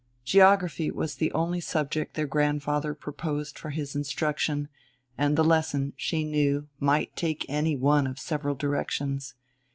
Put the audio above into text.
Geography was the only subject their grandfather proposed for his instruction, and the lesson, she knew, might take any one of several directions.